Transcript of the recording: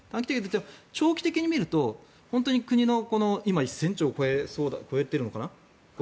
長期的に見ると本当に国の１０００兆を超えているのかな？